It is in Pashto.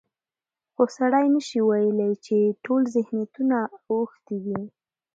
خو سړی نشي ویلی چې ټول ذهنیتونه اوښتي دي.